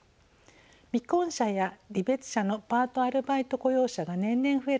未婚者や離別者のパートアルバイト雇用者が年々増える中